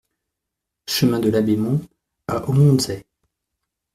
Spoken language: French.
Chemin de Labémont à Aumontzey